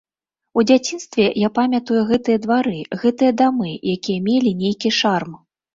У дзяцінстве я памятаю гэтыя двары, гэтыя дамы, якія мелі нейкі шарм.